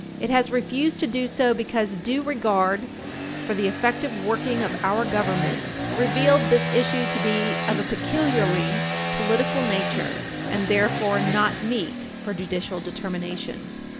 It has refused to do so because due regard for the effective working of our Government revealed this issue to be of a peculiarly political nature, and therefore not meet for judicial determination.